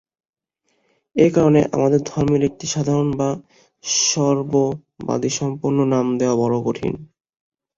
এই কারণে আমাদের ধর্মের একটি সাধারণ বা সর্ববাদিসম্মত নাম দেওয়া বড় কঠিন।